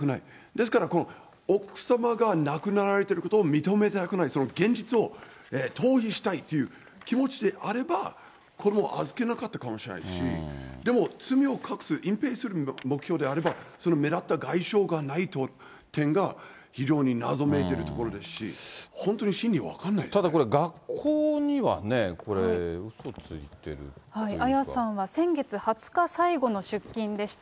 ですから、奥様が亡くなられてることを認めたくないその現実を逃避したいっていう気持ちであれば、子どもを預けなかったかもしれないし、でも罪を隠す、隠蔽する目標であれば、その目立った外傷がないという点が、非常に謎めいてるところですし、本当に心理、ただこれ、学校にはね、これ、彩さんは先月２０日最後の出勤でした。